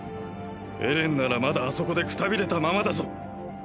エレンならまだあそこでくたびれたままだぞ？